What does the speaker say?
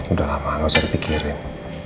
udah lah mak gak usah dipikirin